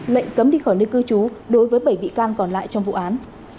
lệnh cấm đi khỏi nơi cư trú đối với bảy bị can còn lại trong vụ án